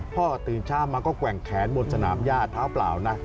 ตื่นเช้ามาก็แกว่งแขนบนสนามญาติเท้าเปล่านะ